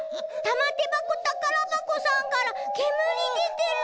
てばこたからばこさんからけむりでてる。